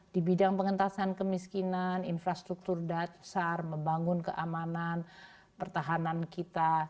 di bidang pengentasan kemiskinan infrastruktur dasar membangun keamanan pertahanan kita